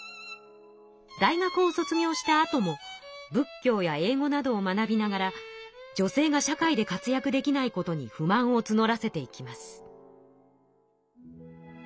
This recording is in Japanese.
大学を卒業したあとも仏教や英語などを学びながら女性が社会で活躍できないことに不満をつのらせていきます。